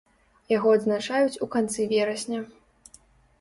Яго адзначаюць у канцы верасня.